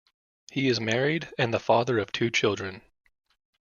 He is married and the father of two children.